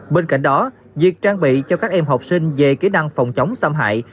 bên cạnh đó việc trang bị cho các em học sinh về kỹ năng phòng chống xâm hại